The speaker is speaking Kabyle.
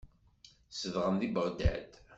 Zedɣen deg Beɣdad.